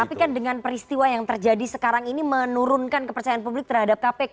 tapi kan dengan peristiwa yang terjadi sekarang ini menurunkan kepercayaan publik terhadap kpk